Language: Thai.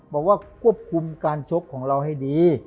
บอกว่าควบคุมการชกของเราให้ดี